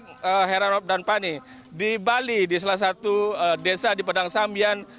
karena heranob dan fani di bali di salah satu desa di pedang samian